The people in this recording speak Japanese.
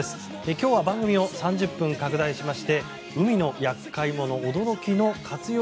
今日は番組を３０分拡大しまして海の厄介者驚きの活用